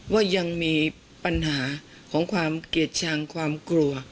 ว่ายังมีปัญหาของความเกลียดชังความกลัว